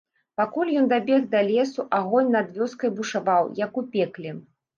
Пакуль ён дабег да лесу, агонь над вёскай бушаваў, як у пекле.